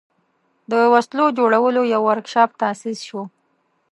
د وسلو د جوړولو یو ورکشاپ تأسیس شو.